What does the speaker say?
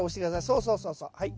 そうそうそうそうはい。